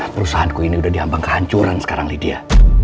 perusahaanku ini udah diambang kehancuran sekarang lydia